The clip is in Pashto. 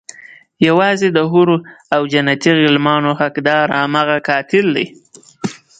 يوازې د حورو او جنتي غلمانو حقدار هماغه قاتل دی.